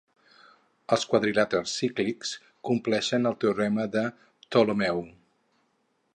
Els quadrilàters cíclics compleixen el teorema de Ptolemeu.